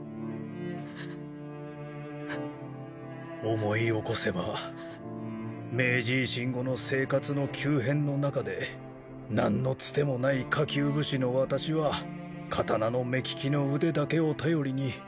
思い起こせば明治維新後の生活の急変の中で何のつてもない下級武士の私は刀の目利きの腕だけを頼りに刀剣商になりました。